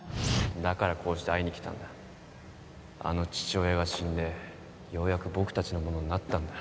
だからこうして会いにきたんだあの父親が死んでようやく僕達のものになったんだ